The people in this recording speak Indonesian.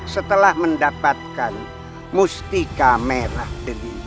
setelah mendapatkan mustika merah deli